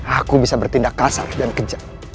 aku bisa bertindak kasar dan kejam